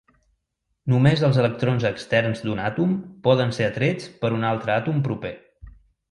Només els electrons externs d'un àtom poden ser atrets per un altre àtom proper.